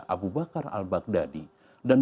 abu bakar al baghdadi dan